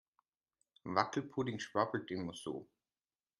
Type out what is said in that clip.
Wackelpudding schwabbelt immer so.